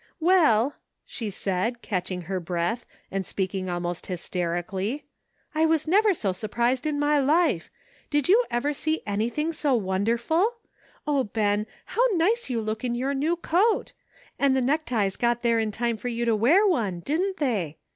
"Well," she said, catching her breath and speaking almost hysterically, '' I was never so surprised in all my life. Did you ever see any thing so wonderful ? O, Ben ! how nice you look in your new coat. And the neckties got there in time for you to wear one, didn't they?